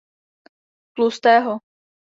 Tlustého.